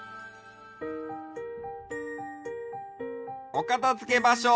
おかたづけばしょ